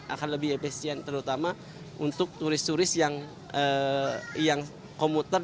akan lebih efisien terutama untuk turis turis yang komuter